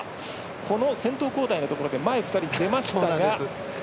先頭交代のところで、前２人出ましたが。